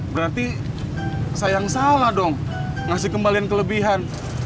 berarti sayang salah dong ngasih kembalian kelebihan